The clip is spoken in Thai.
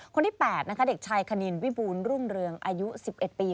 คนที่๘นะคะเด็กชายคณินวิบูรณรุ่งเรืองอายุ๑๑ปี